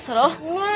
ねえ？